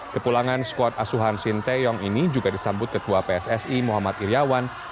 kepulangan skuad asuhan sinteyong ini juga disambut ketua pssi muhammad iryawan